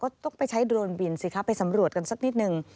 ต้องไปใช้โดรนบินสิคะไปสำรวจกันสักนิดนึง